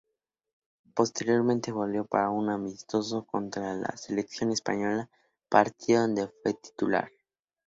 Posteriormente volvió para un amistoso contra la selección española, partido donde fue titular.